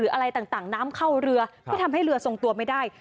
อะไรต่างน้ำเข้าเรือก็ทำให้เรือทรงตัวไม่ได้